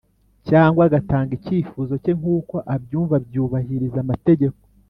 cyangwa agatanga icyifuzo cye nk’uko abyumva, byubahiriza amategeko.